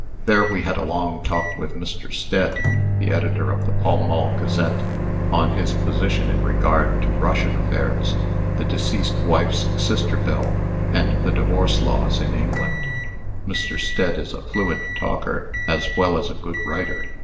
There we had a long talk with Mr. Stead, the editor of the Pall Mall Gazette, on his position in regard to Russian affairs, "The Deceased Wife's Sister Bill," and the divorce laws of England. Mr. Stead is a fluent talker as well as a good writer.